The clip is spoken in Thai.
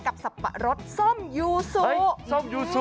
กับสับปะรสส้มยูซู